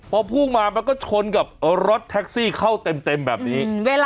พอพุ่งมามันก็ชนกับรถแท็กซี่เข้าเต็มแบบนี้